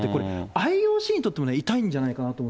ＩＯＣにとっても痛いんじゃないかなと思う。